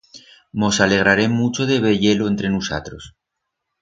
Mos alegrarem mucho de veyer-lo entre nusatros.